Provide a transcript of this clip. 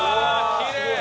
きれい！